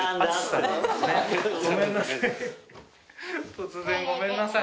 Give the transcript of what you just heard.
突然ごめんなさい。